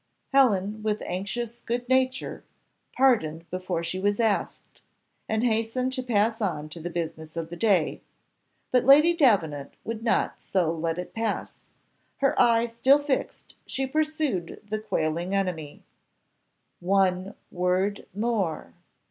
Helen, with anxious good nature, pardoned before she was asked, and hastened to pass on to the business of the day, but Lady Davenant would not so let it pass; her eye still fixed she pursued the quailing enemy "One word more.